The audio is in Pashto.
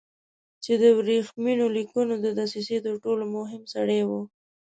چې د ورېښمینو لیکونو د دسیسې تر ټولو مهم سړی و.